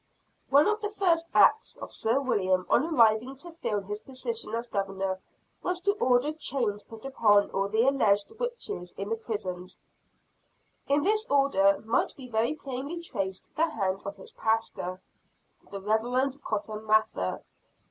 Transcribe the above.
One of the first acts of Sir William on arriving to fill his position as Governor, was to order chains put upon all the alleged witches in the prisons. In this order might be very plainly traced the hand of his pastor, the Reverend Cotton Mather.